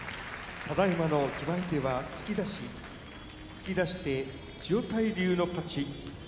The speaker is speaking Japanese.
決まり手は突き出し突き出して千代大龍の勝ち。